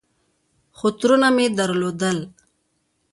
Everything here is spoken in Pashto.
خو ترونه مې درلودل.